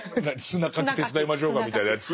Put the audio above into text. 砂掻き手伝いましょうかみたいなやつ。